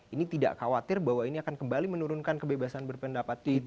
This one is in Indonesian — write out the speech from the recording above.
ini tidak khawatir bahwa ini akan kembali menurunkan kebebasan berpendapat kita